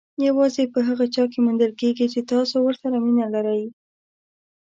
یوازې په هغه چا کې موندل کېږي چې تاسو ورسره مینه لرئ.